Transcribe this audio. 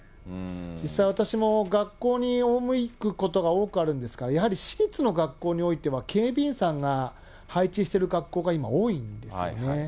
実際、私も学校に赴くことが多くあるんですが、やはり私立の学校においては、警備員さんが配置している学校が今、多いんですよね。